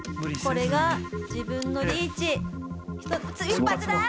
これが自分のリーチ一発だぁ！